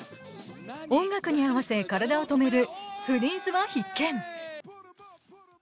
音楽に合わせ体を止めるフリーズは必見。